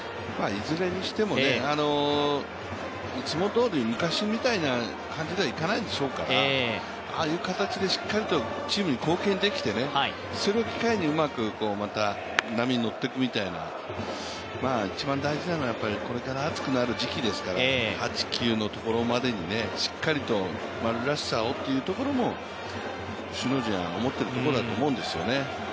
いずれにしてもいつもどおり昔みたいな感じにはいかないでしょうから、ああいう形でしっかりとチームに貢献できてそれを機会にまた波に乗っていくみたいな一番大事なのはやっぱりこれから暑くなる時期ですから、８、９のところまでにしっかりと丸らしさをというところまでを首脳陣は思ってるところだと思うんですよね。